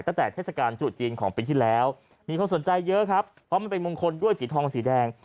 ตั้งแต่เทศกาลตรุษจีนของปีที่แล้วมีคนสนใจเยอะครับเพราะมันเป็นมงคลด้วยสีทองสีแดง